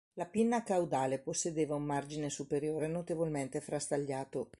La pinna caudale possedeva un margine superiore notevolmente frastagliato.